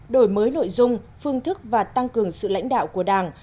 đổi mới nội dung phương thức và tăng cường sự lãnh đạo của đảng